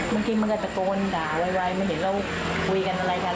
บางทีมันก็ตะโกนด่าไวมันเห็นเราคุยกันอะไรกัน